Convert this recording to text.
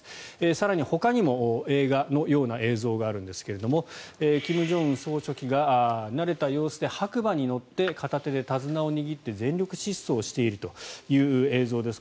更にほかにも映画のような映像があるんですが金正恩総書記が慣れた様子で白馬に乗って片手で手綱を握って全力疾走しているという映像です。